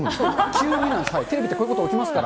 急になんです、テレビってこういうこと起きますから。